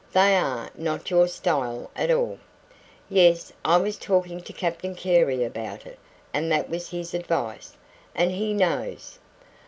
They are not YOUR style at all." "Yes, I was talking to Captain Carey about it, and that was his advice, and HE knows.